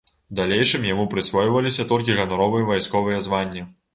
У далейшым яму прысвойваліся толькі ганаровыя вайсковыя званні.